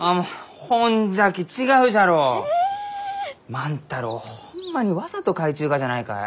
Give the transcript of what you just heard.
万太郎ホンマにわざと描いちゅうがじゃないかえ？